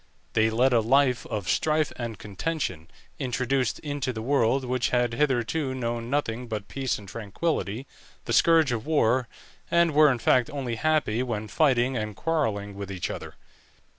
They led a life of strife and contention, introduced into the world, which had hitherto known nothing but peace and tranquillity, the scourge of war, and were in fact only happy when fighting and quarrelling with each other.